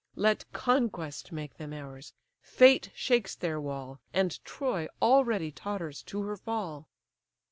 Let conquest make them ours: fate shakes their wall, And Troy already totters to her fall."